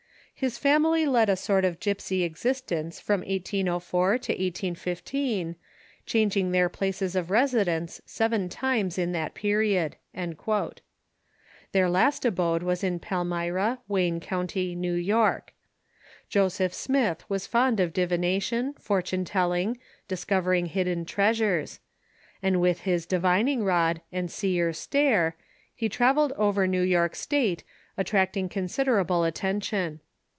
"His family led a sort of gypsy existence from 1804 to 1815, changing their places of residence seven times in that period." Their last THE MORMONS 585 abode was in Palmyra, AVayne County, Xew York. Joseph Smitli was fond of divination, fortune telling, discovering hid den treasures; and Avith his divining rud and seer stare he travelled over New York State, attracting considerable atten tion.